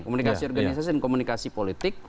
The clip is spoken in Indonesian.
komunikasi organisasi dan komunikasi politik